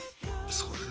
そうだね。